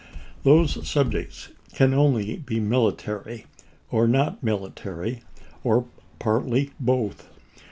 Those subjects can only be military, or not military, or partly both.